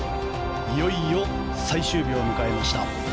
いよいよ最終日を迎えました。